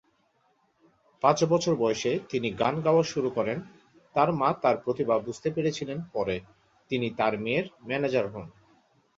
পাঁচ বছর বয়সে তিনি গান গাওয়া শুরু করেন, তার মা তার প্রতিভা বুঝতে পেরেছিলেন পরে তিনি তার মেয়ের ম্যানেজার হন।